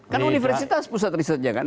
kan universitas pusat risetnya kan